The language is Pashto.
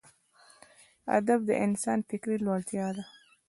ادب د انسان فکري لوړتیا ده.